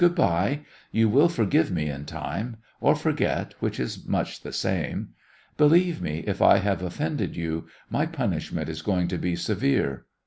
"Good by. You will forgive me in time or forget, which is much the same. Believe me, if I have offended you, my punishment is going to be severe.